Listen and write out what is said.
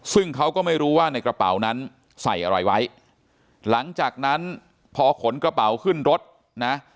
ซึ่งเขาก็ไม่รู้ว่าในกระเป๋านั้นใส่อะไรไว้หลังจากนั้นพอขนกระเป๋าขึ้นรถนะ